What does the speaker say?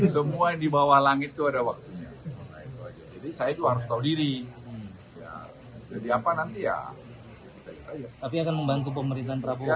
semua dibawah langit itu ada waktu jadi saya itu harus tahu diri jadi apa nanti ya